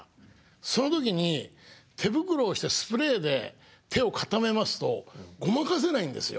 その時に手袋をしてスプレーで手を固めますとごまかせないんですよ。